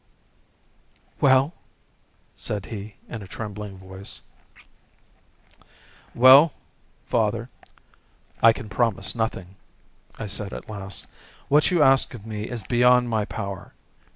"Well?" said he in a trembling voice. "Well, father, I can promise nothing," I said at last; "what you ask of me is beyond my power.